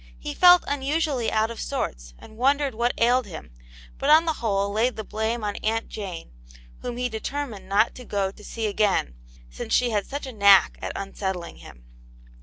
He felt unusually out of sorts, and wondered what ailed him, but on the whole laid the blame on Aunt Jane, whom he determined not to go to see again, since she had such a knack at unsettling him.